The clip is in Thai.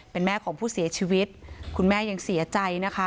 เป็นแม่ของผู้เสียชีวิตคุณแม่ยังเสียใจนะคะ